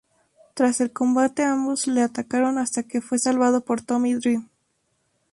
Tras el combate, ambos le atacaron hasta que fue salvado por Tommy Dreamer.